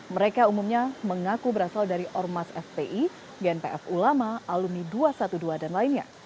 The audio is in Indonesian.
mereka umumnya mengaku berasal dari ormas fpi gnpf ulama alumni dua ratus dua belas dan lainnya